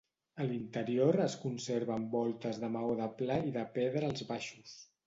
A l'interior es conserven voltes de maó de pla i de pedra als baixos.